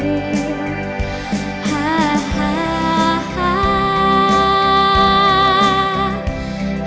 ซ่อนเธอไว้ในใจ